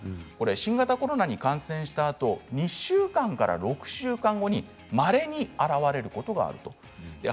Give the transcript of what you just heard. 新型コロナに感染したあと２週間から６週間後にまれに現れることがあるということです。